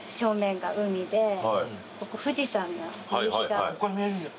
こっから見えるんですか？